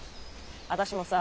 私もさ